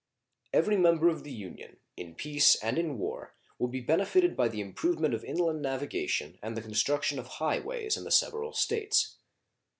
Every member of the Union, in peace and in war, will be benefited by the improvement of inland navigation and the construction of high ways in the several States.